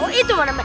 oh itu mana